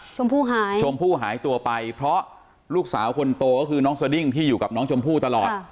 หายชมพู่หายตัวไปเพราะลูกสาวคนโตก็คือน้องสดิ้งที่อยู่กับน้องชมพู่ตลอด